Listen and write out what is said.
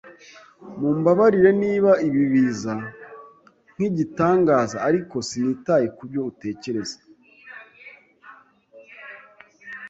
Mumbabarire niba ibi biza nkigitangaza, ariko sinitaye kubyo utekereza.